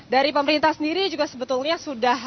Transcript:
dari pemerintah sendiri juga sebetulnya sudah